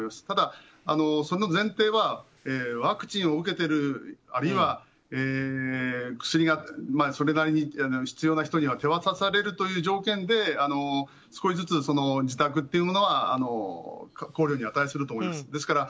ただ、その前提はワクチンを受けているあるいは薬がそれなりに必要な人には手渡されるという条件で少しずつ自宅というものは考慮に値すると思います。